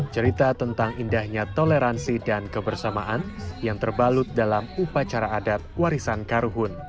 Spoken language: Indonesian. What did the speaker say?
cerita tentang indahnya toleransi dan kebersamaan yang terbalut dalam upacara adat warisan karuhun